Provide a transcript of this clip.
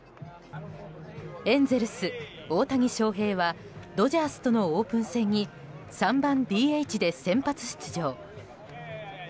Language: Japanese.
エンゼルス、大谷翔平はドジャースとのオープン戦に３番ＤＨで先発出場。